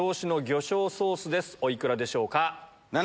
お幾らでしょうか？